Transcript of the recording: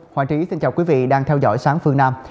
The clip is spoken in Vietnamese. khoản trí xin chào quý vị đang theo dõi sáng phương nam